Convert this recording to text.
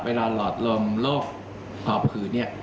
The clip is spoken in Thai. เวลาหลอดลมโลกพอผืนเนี่ย